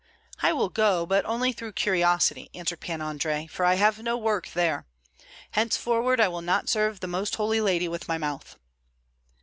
"I will go, but only through curiosity," answered Pan Andrei; "for I have no work there. Henceforward I will not serve the Most Holy Lady with my mouth."